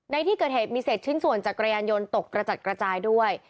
ในที่เกิดเหตุมีเศษชิ้นส่วนจักรยานยนต์ตกกระจัดกระจายด้วย